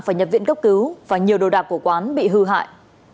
và nhiều đồ đạc của quán bị hư hại